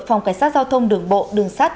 phòng cảnh sát giao thông đường bộ đường sát